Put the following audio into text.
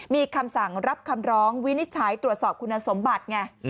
มีคำสั่งรับคำร้องวินิจฉัยตรวจสอบคุณสมบัติไง